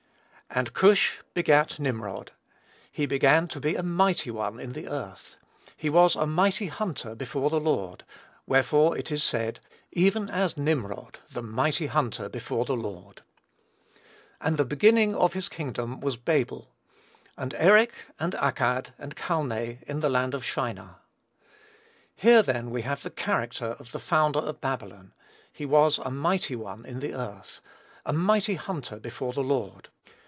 "And Cush begat Nimrod: he began to be a mighty one in the earth. He was a mighty hunter before the Lord: wherefore it is said, Even as Nimrod the mighty hunter before the Lord. And the beginning of his kingdom was Babel, and Erech, and Accad, and Calneh, in the land of Shinar." Here, then, we have the character of the founder of Babylon. He was "a mighty one in the earth" "a mighty hunter before the Lord."